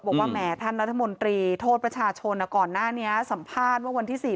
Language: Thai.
แหมท่านรัฐมนตรีโทษประชาชนก่อนหน้านี้สัมภาษณ์ว่าวันที่๔